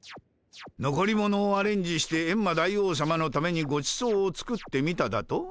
残り物をアレンジしてエンマ大王さまのためにごちそうを作ってみただと？